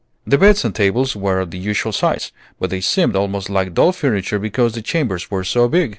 The beds and tables were of the usual size, but they seemed almost like doll furniture because the chambers were so big.